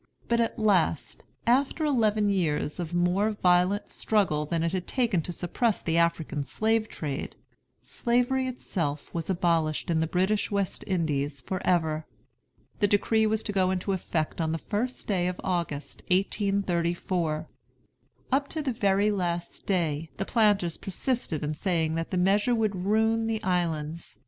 But at last, after eleven years of more violent struggle than it had taken to suppress the African slave trade, Slavery itself was abolished in the British West Indies forever. The decree was to go into effect on the 1st day of August, 1834. Up to the very last day, the planters persisted in saying that the measure would ruin the islands.